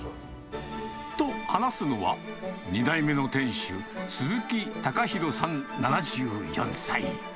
と話すのは、２代目の店主、鈴木たかひろさん７４歳。